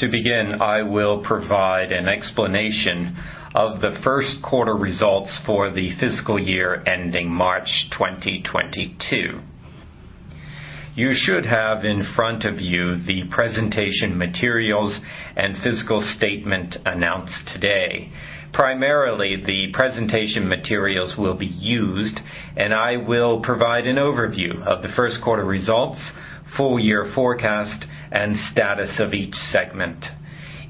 To begin, I will provide an explanation of the first quarter results for the fiscal year ending March 2022. You should have in front of you the presentation materials and fiscal statement announced today. Primarily, the presentation materials will be used, and I will provide an overview of the first quarter results, full year forecast, and status of each segment.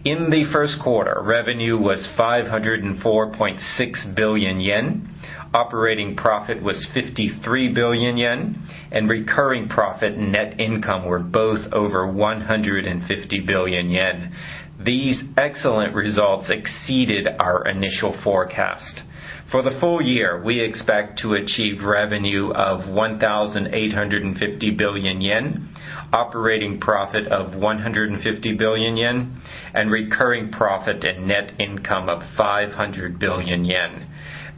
In the first quarter, revenue was 504.6 billion yen, operating profit was 53 billion yen, and recurring profit net income were both over 150 billion yen. These excellent results exceeded our initial forecast. For the full year, we expect to achieve revenue of 1,850 billion yen, operating profit of 150 billion yen, and recurring profit and net income of 500 billion yen.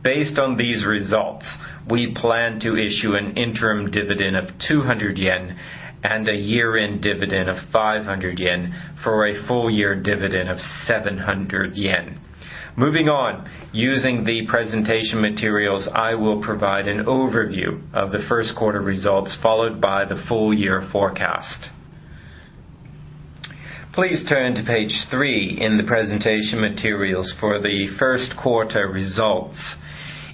Based on these results, we plan to issue an interim dividend of 200 yen and a year-end dividend of 500 yen for a full year dividend of 700 yen. Moving on, using the presentation materials, I will provide an overview of the first quarter results, followed by the full year forecast. Please turn to page three in the presentation materials for the first quarter results.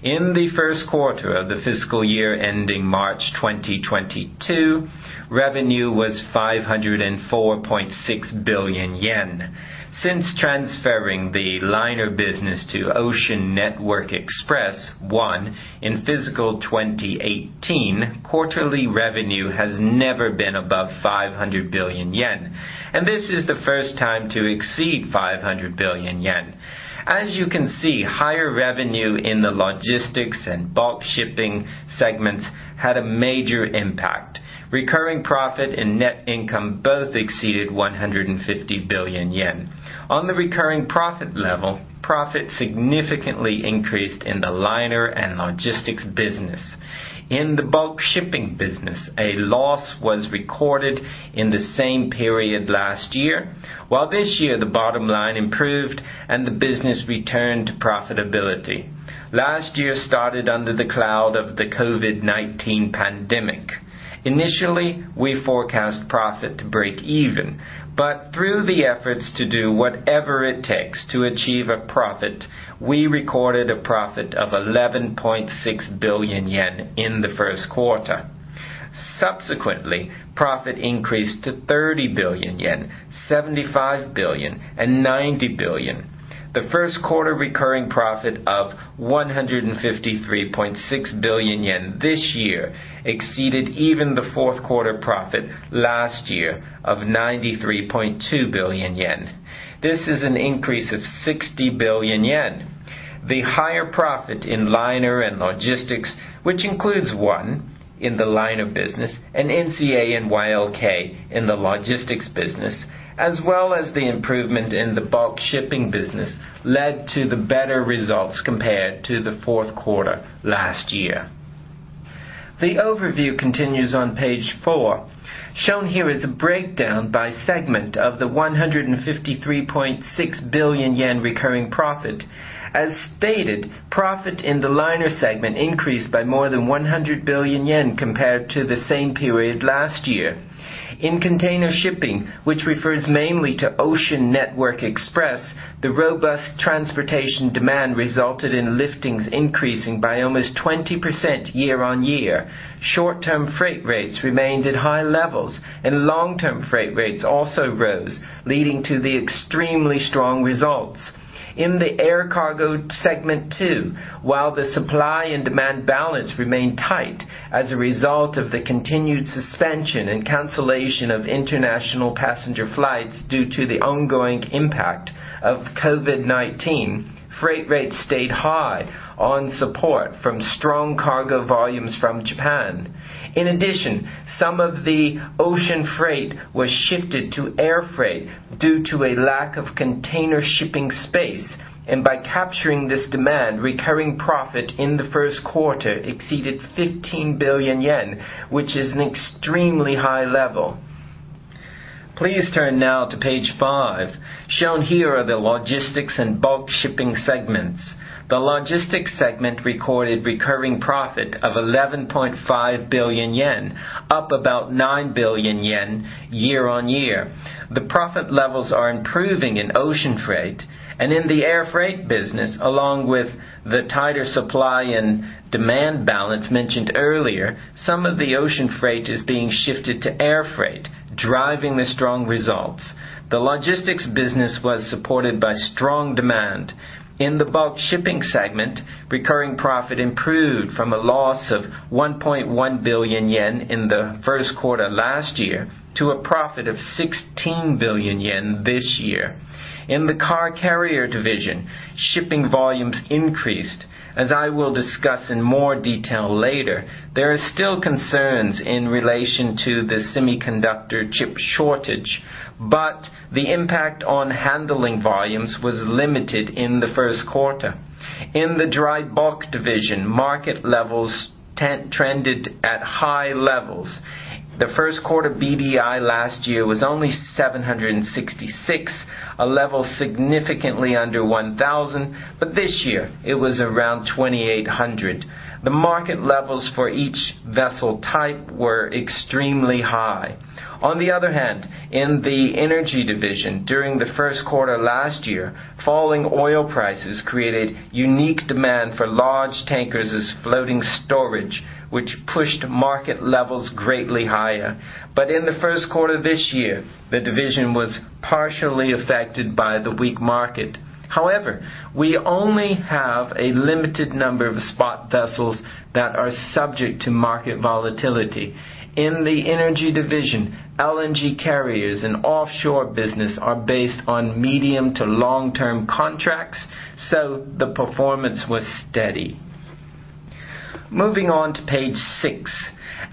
In the first quarter of the fiscal year ending March 2022, revenue was 504.6 billion yen. Since transferring the liner business to Ocean Network Express, ONE, in fiscal 2018, quarterly revenue has never been above 500 billion yen, and this is the first time to exceed 500 billion yen. As you can see, higher revenue in the logistics and bulk shipping segments had a major impact. Recurring profit and net income both exceeded 150 billion yen. On the recurring profit level, profit significantly increased in the liner and logistics business. In the bulk shipping business, a loss was recorded in the same period last year, while this year, the bottom line improved and the business returned to profitability. Last year started under the cloud of the COVID-19 pandemic. Initially, we forecast profit to break even, but through the efforts to do whatever it takes to achieve a profit, we recorded a profit of 11.6 billion yen in the first quarter. Subsequently, profit increased to 30 billion yen, 75 billion, and 90 billion. The first quarter recurring profit of 153.6 billion yen this year exceeded even the fourth quarter profit last year of 93.2 billion yen. This is an increase of 60 billion yen. The higher profit in liner and logistics, which includes ONE in the liner business, and NCA and YLK in the logistics business, as well as the improvement in the bulk shipping business, led to the better results compared to the fourth quarter last year. The overview continues on page four. Shown here is a breakdown by segment of the 153.6 billion yen recurring profit. As stated, profit in the liner segment increased by more than 100 billion yen compared to the same period last year. In container shipping, which refers mainly to Ocean Network Express, the robust transportation demand resulted in liftings increasing by almost 20% year-on-year. Short-term freight rates remained at high levels, and long-term freight rates also rose, leading to the extremely strong results. In the air cargo segment too, while the supply and demand balance remained tight as a result of the continued suspension and cancellation of international passenger flights due to the ongoing impact of COVID-19, freight rates stayed high on support from strong cargo volumes from Japan. In addition, some of the ocean freight was shifted to air freight due to a lack of container shipping space, by capturing this demand, recurring profit in the first quarter exceeded 15 billion yen, which is an extremely high level. Please turn now to page five. Shown here are the logistics and bulk shipping segments. The logistics segment recorded recurring profit of 11.5 billion yen, up about 9 billion yen year-over-year. The profit levels are improving in ocean freight and in the air freight business, along with the tighter supply and demand balance mentioned earlier, some of the ocean freight is being shifted to air freight, driving the strong results. The logistics business was supported by strong demand. In the bulk shipping segment, recurring profit improved from a loss of 1.1 billion yen in the first quarter last year to a profit of 16 billion yen this year. In the car carrier division, shipping volumes increased. As I will discuss in more detail later, there are still concerns in relation to the semiconductor chip shortage, but the impact on handling volumes was limited in the first quarter. In the dry bulk division, market levels trended at high levels. The first quarter BDI last year was only 766, a level significantly under 1,000, but this year, it was around 2,800. The market levels for each vessel type were extremely high. On the other hand, in the energy division, during the first quarter last year, falling oil prices created unique demand for large tankers as floating storage, which pushed market levels greatly higher. In the first quarter of this year, the division was partially affected by the weak market. However, we only have a limited number of spot vessels that are subject to market volatility. In the energy division, LNG carriers and offshore business are based on medium to long-term contracts, so the performance was steady. Moving on to page six.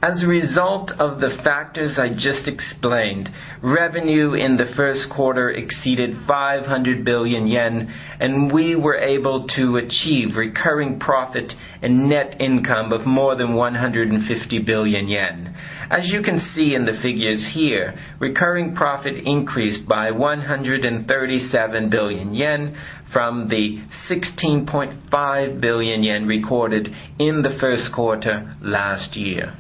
As a result of the factors I just explained, revenue in the first quarter exceeded 500 billion yen, and we were able to achieve recurring profit and net income of more than 150 billion yen. As you can see in the figures here, recurring profit increased by 137 billion yen from the 16.5 billion yen recorded in the first quarter last year.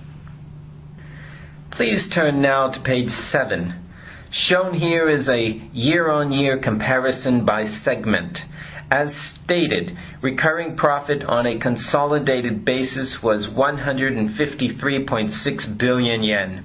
Please turn now to page seven. Shown here is a year-on-year comparison by segment. As stated, recurring profit on a consolidated basis was 153.6 billion yen.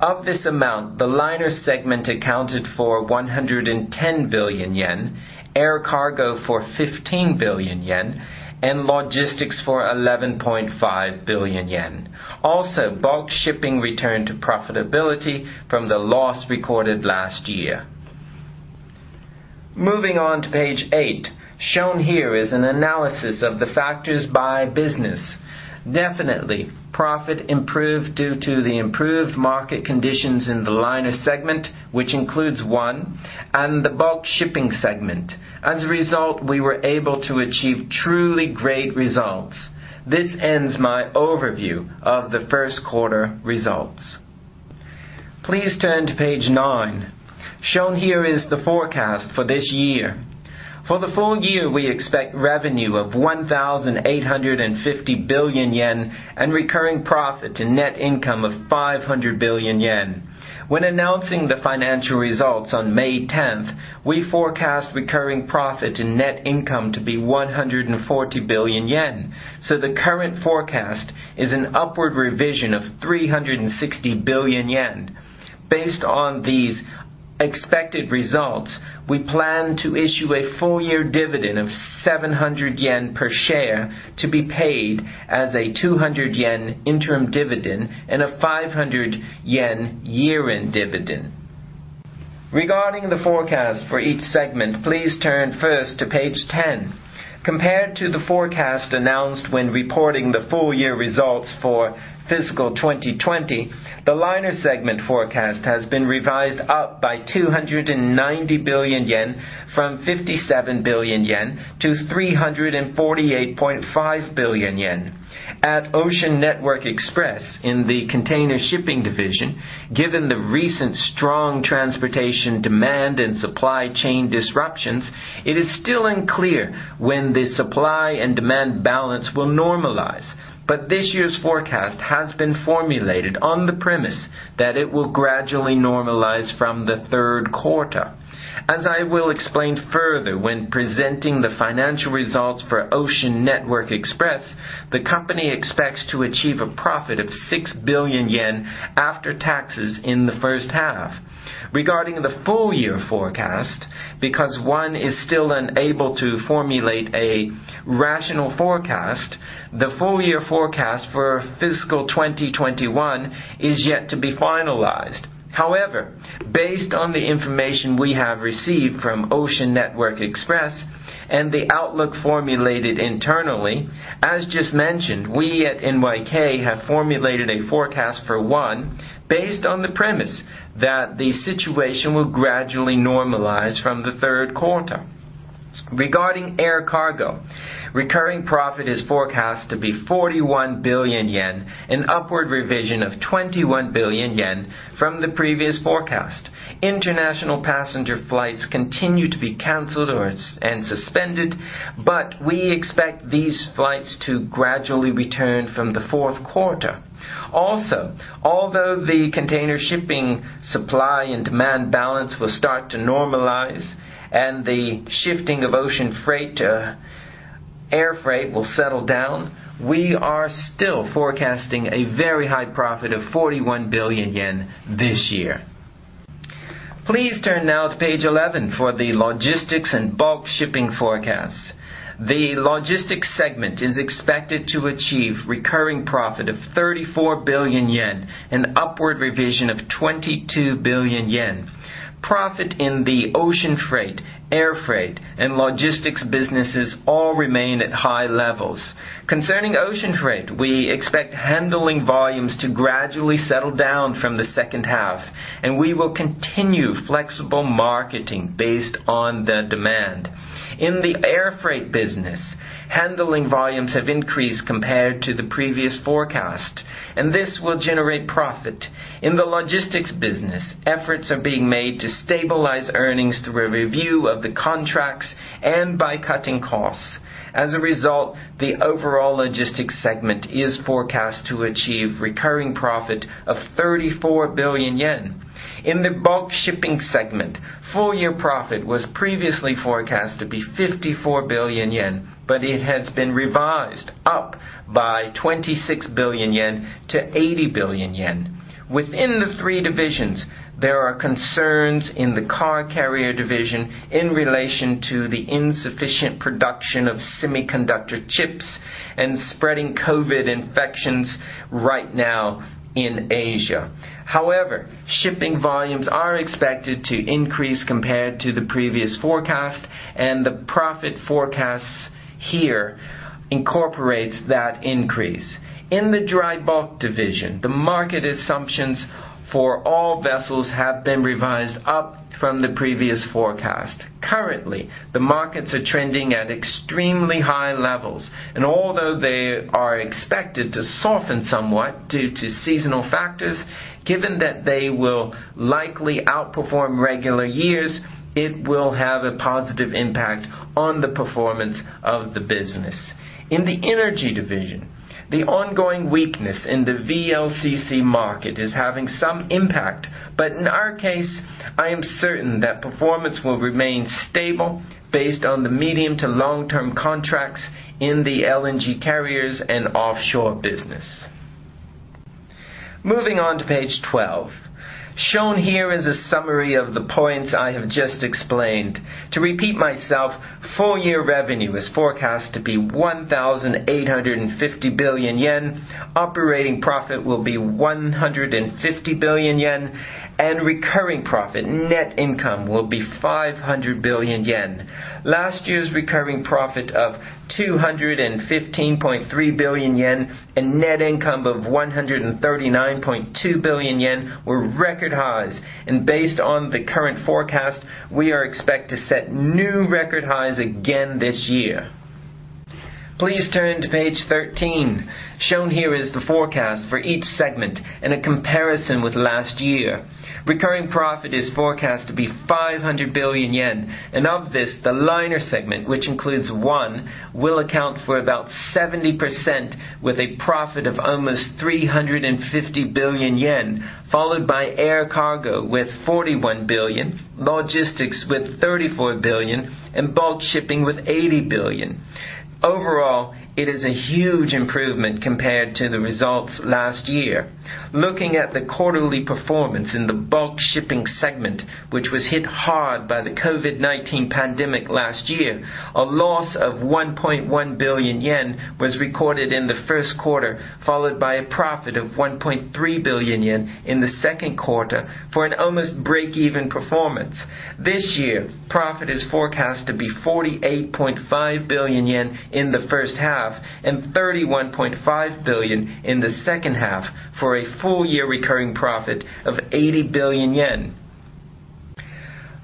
Of this amount, the liner segment accounted for 110 billion yen, air cargo for 15 billion yen, and logistics for 11.5 billion yen. Bulk shipping returned to profitability from the loss recorded last year. Moving on to page eight. Shown here is an analysis of the factors by business. Definitely, profit improved due to the improved market conditions in the liner segment, which includes ONE, and the bulk shipping segment. As a result, we were able to achieve truly great results. This ends my overview of the first quarter results. Please turn to page nine. Shown here is the forecast for this year. For the full year, we expect revenue of 1,850 billion yen and recurring profit and net income of 500 billion yen. When announcing the financial results on May 10th, we forecast recurring profit and net income to be 140 billion yen, so the current forecast is an upward revision of 360 billion yen. Based on these expected results, we plan to issue a full-year dividend of 700 yen per share to be paid as a 200 yen interim dividend and a 500 yen year-end dividend. Regarding the forecast for each segment, please turn first to page 10. Compared to the forecast announced when reporting the full-year results for fiscal 2020, the liner segment forecast has been revised up by 290 billion yen from 57 billion yen to 348.5 billion yen. At Ocean Network Express in the container shipping division, given the recent strong transportation demand and supply chain disruptions, it is still unclear when the supply and demand balance will normalize, but this year's forecast has been formulated on the premise that it will gradually normalize from the third quarter. As I will explain further when presenting the financial results for Ocean Network Express, the company expects to achieve a profit of 6 billion yen after taxes in the first half. Regarding the full year forecast, because ONE is still unable to formulate a rational forecast, the full year forecast for fiscal 2021 is yet to be finalized. However, based on the information we have received from Ocean Network Express and the outlook formulated internally, as just mentioned, we at NYK have formulated a forecast for ONE based on the premise that the situation will gradually normalize from the third quarter. Regarding air cargo, recurring profit is forecast to be 41 billion yen, an upward revision of 21 billion yen from the previous forecast. International passenger flights continue to be canceled and suspended, but we expect these flights to gradually return from the fourth quarter. Also, although the container shipping supply and demand balance will start to normalize and the shifting of ocean freight to air freight will settle down, we are still forecasting a very high profit of 41 billion yen this year. Please turn now to page 11 for the logistics and bulk shipping forecasts. The logistics segment is expected to achieve recurring profit of 34 billion yen, an upward revision of 22 billion yen. Profit in the ocean freight, air freight, and logistics businesses all remain at high levels. Concerning ocean freight, we expect handling volumes to gradually settle down from the second half, and we will continue flexible marketing based on the demand. In the air freight business, handling volumes have increased compared to the previous forecast, and this will generate profit. In the logistics business, efforts are being made to stabilize earnings through a review of the contracts and by cutting costs. As a result, the overall logistics segment is forecast to achieve recurring profit of 34 billion yen. In the bulk shipping segment, full-year profit was previously forecast to be 54 billion yen, but it has been revised up by 26 billion yen to 80 billion yen. Within the three divisions, there are concerns in the car carrier division in relation to the insufficient production of semiconductor chips and spreading COVID infections right now in Asia. However, shipping volumes are expected to increase compared to the previous forecast, and the profit forecasts here incorporates that increase. In the dry bulk division, the market assumptions for all vessels have been revised up from the previous forecast. Currently, the markets are trending at extremely high levels, and although they are expected to soften somewhat due to seasonal factors, given that they will likely outperform regular years, it will have a positive impact on the performance of the business. In the energy division, the ongoing weakness in the VLCC market is having some impact, but in our case, I am certain that performance will remain stable based on the medium to long-term contracts in the LNG carriers and offshore business. Moving on to page 12. Shown here is a summary of the points I have just explained. To repeat myself, full-year revenue is forecast to be 1,850 billion yen, operating profit will be 150 billion yen, and recurring profit, net income will be 500 billion yen. Last year's recurring profit of 215.3 billion yen and net income of 139.2 billion yen were record highs, and based on the current forecast, we are expected to set new record highs again this year. Please turn to page 13. Shown here is the forecast for each segment and a comparison with last year. Recurring profit is forecast to be 500 billion yen, and of this, the liner segment, which includes ONE, will account for about 70% with a profit of almost 350 billion yen, followed by air cargo with 41 billion, logistics with 34 billion, and bulk shipping with 80 billion. Overall, it is a huge improvement compared to the results last year. Looking at the quarterly performance in the bulk shipping segment, which was hit hard by the COVID-19 pandemic last year, a loss of 1.1 billion yen was recorded in the first quarter, followed by a profit of 1.3 billion yen in the second quarter for an almost break-even performance. This year, profit is forecast to be 48.5 billion yen in the first half and 31.5 billion in the second half for a full-year recurring profit of 80 billion yen.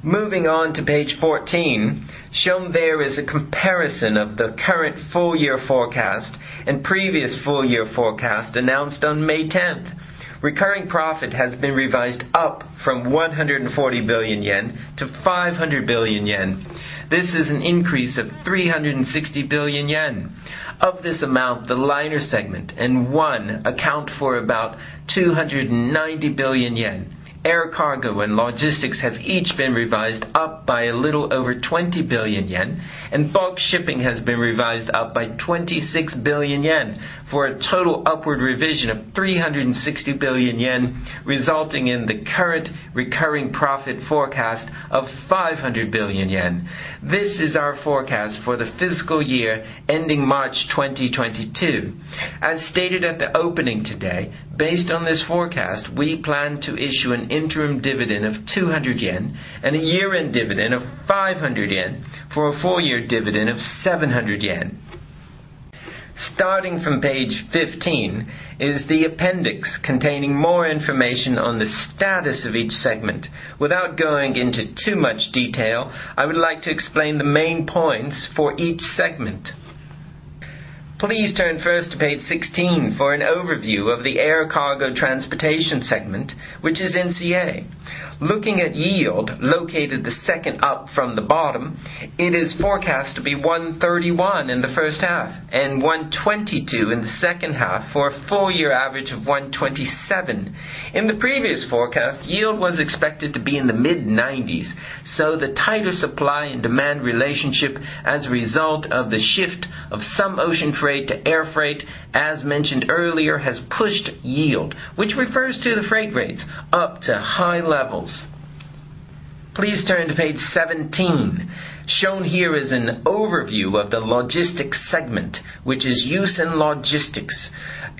Moving on to page 14, shown there is a comparison of the current full-year forecast and previous full-year forecast announced on May 10th. Recurring profit has been revised up from 140 billion yen to 500 billion yen. This is an increase of 360 billion yen. Of this amount, the liner segment and ONE account for about 290 billion yen. Air cargo and logistics have each been revised up by a little over 20 billion yen, and bulk shipping has been revised up by 26 billion yen, for a total upward revision of 360 billion yen, resulting in the current recurring profit forecast of 500 billion yen. This is our forecast for the fiscal year ending March 2022. As stated at the opening today, based on this forecast, we plan to issue an interim dividend of 200 yen and a year-end dividend of 500 yen for a full-year dividend of 700 yen. Starting from page 15 is the appendix containing more information on the status of each segment. Without going into too much detail, I would like to explain the main points for each segment. Please turn first to page 16 for an overview of the air cargo transportation segment, which is NCA. Looking at yield, located the second up from the bottom, it is forecast to be 131 in the first half and 122 in the second half for a full-year average of 127. In the previous forecast, yield was expected to be in the mid-90s. The tighter supply and demand relationship as a result of the shift of some ocean freight to air freight, as mentioned earlier, has pushed yield, which refers to the freight rates, up to high levels. Please turn to page 17. Shown here is an overview of the logistics segment, which is Yusen Logistics.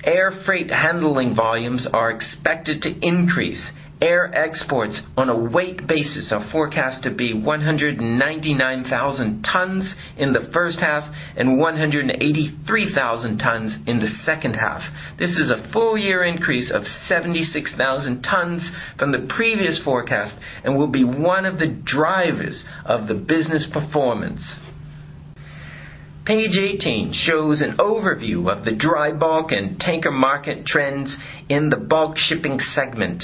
Air freight handling volumes are expected to increase. Air exports on a weight basis are forecast to be 199,000 tons in the first half and 183,000 tons in the second half. This is a full-year increase of 76,000 tons from the previous forecast and will be one of the drivers of the business performance. Page 18 shows an overview of the dry bulk and tanker market trends in the bulk shipping segment.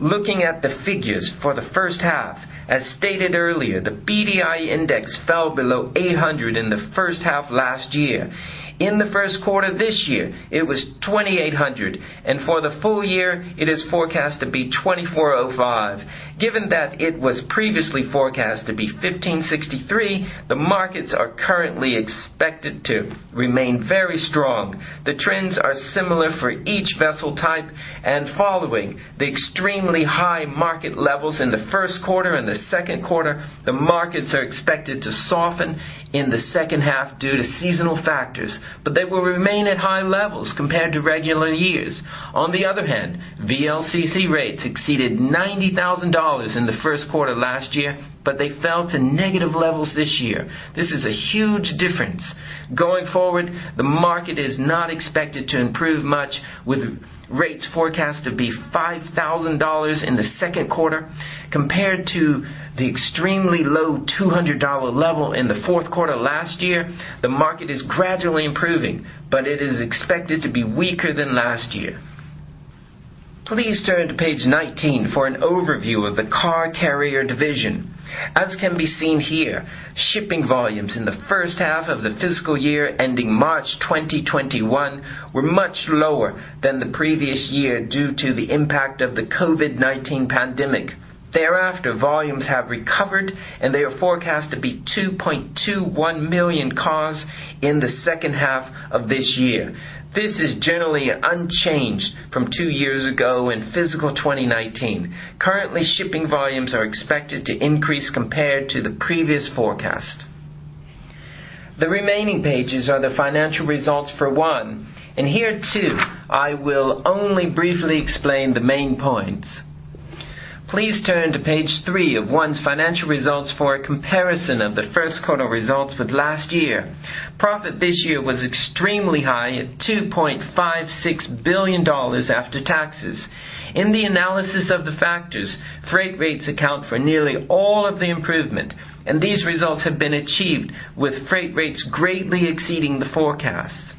Looking at the figures for the first half, as stated earlier, the BDI index fell below 800 in the first half last year. In the first quarter this year, it was 2,800, and for the full year, it is forecast to be 2,405. Given that it was previously forecast to be 1,563, the markets are currently expected to remain very strong. The trends are similar for each vessel type, and following the extremely high market levels in the first quarter and the second quarter, the markets are expected to soften in the second half due to seasonal factors, but they will remain at high levels compared to regular years. VLCC rates exceeded JPY 90,000 in the first quarter last year. They fell to negative levels this year. This is a huge difference. Going forward, the market is not expected to improve much, with rates forecast to be JPY 5,000 in the second quarter. Compared to the extremely low JPY 200 level in the fourth quarter last year, the market is gradually improving. It is expected to be weaker than last year. Please turn to page 19 for an overview of the Car Carrier division. As can be seen here, shipping volumes in the first half of the fiscal year ending March 2021 were much lower than the previous year due to the impact of the COVID-19 pandemic. Thereafter, volumes have recovered. They are forecast to be 2.21 million cars in the second half of this year. This is generally unchanged from two years ago in fiscal 2019. Currently, shipping volumes are expected to increase compared to the previous forecast. The remaining pages are the financial results for ONE. Here too, I will only briefly explain the main points. Please turn to page three of ONE's financial results for a comparison of the first quarter results with last year. Profit this year was extremely high at $2.56 billion after taxes. In the analysis of the factors, freight rates account for nearly all of the improvement. These results have been achieved with freight rates greatly exceeding the forecasts.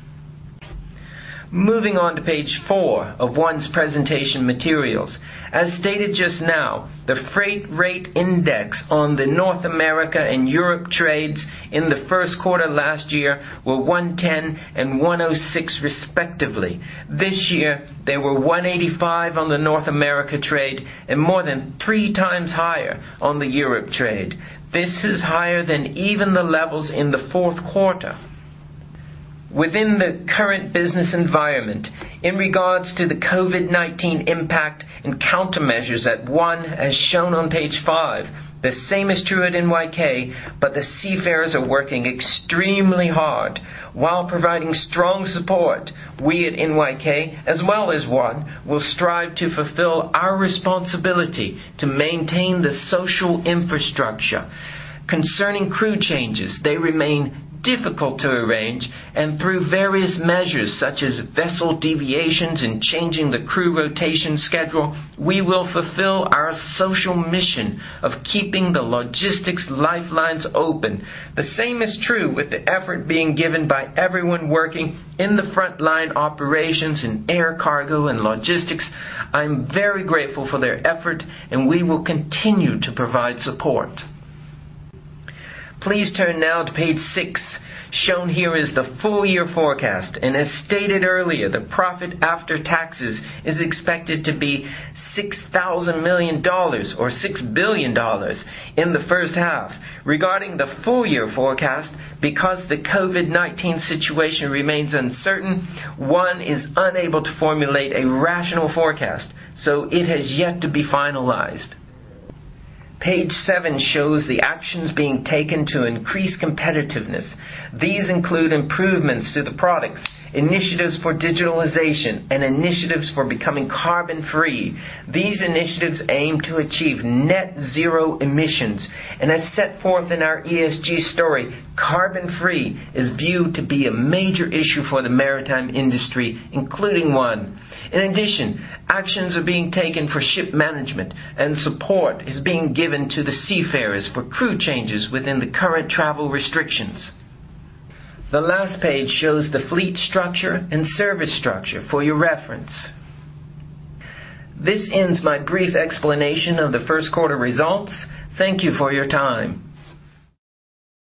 Moving on to page four of ONE's presentation materials. As stated just now, the freight rate index on the North America and Europe trades in the first quarter last year were 110 and 106 respectively. This year, they were 185 on the North America trade and more than 3x higher on the Europe trade. This is higher than even the levels in the fourth quarter. Within the current business environment, in regards to the COVID-19 impact and countermeasures at ONE, as shown on page five, the same is true at NYK, but the seafarers are working extremely hard. While providing strong support, we at NYK, as well as ONE, will strive to fulfill our responsibility to maintain the social infrastructure. Concerning crew changes, they remain difficult to arrange, and through various measures such as vessel deviations and changing the crew rotation schedule, we will fulfill our social mission of keeping the logistics lifelines open. The same is true with the effort being given by everyone working in the frontline operations in air cargo and logistics. I'm very grateful for their effort, and we will continue to provide support. Please turn now to page six. Shown here is the full-year forecast. As stated earlier, the profit after taxes is expected to be $6,000 million or $6 billion in the first half. Regarding the full-year forecast, because the COVID-19 situation remains uncertain, ONE is unable to formulate a rational forecast, so it has yet to be finalized. Page seven shows the actions being taken to increase competitiveness. These include improvements to the products, initiatives for digitalization, and initiatives for becoming carbon-free. These initiatives aim to achieve net zero emissions, and as set forth in our ESG story, carbon-free is viewed to be a major issue for the maritime industry, including ONE. In addition, actions are being taken for ship management, and support is being given to the seafarers for crew changes within the current travel restrictions. The last page shows the fleet structure and service structure for your reference. This ends my brief explanation of the first quarter results. Thank you for your time.